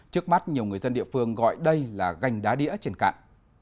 trước mắt nhiều người dân địa phương gọi đây là gành đá đĩa trên cạn